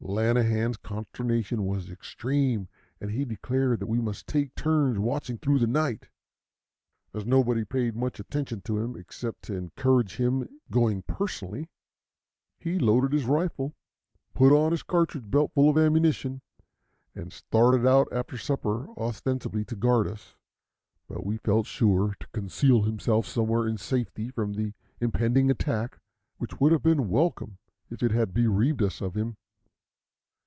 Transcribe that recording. Lanahan's consternation was extreme, and he declared that we must take turns watching through the night. As nobody paid much attention to him, except to encourage his going personally, he loaded his rifle, put on his cartridge belt full of ammunition, and started out after supper ostensibly to guard us, but we felt sure to conceal himself somewhere in safety from the impending attack, which would have been welcome if it had bereaved us of him.